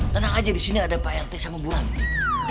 tenang aja disini ada pak rt sanguburanti